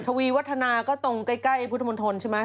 วีวัฒนาก็ตรงใกล้พุทธมนตรใช่ไหม